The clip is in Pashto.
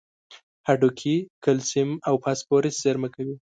هډوکي کلسیم او فاسفورس زیرمه کوي.